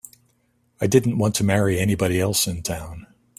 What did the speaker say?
I didn't want to marry anybody else in town.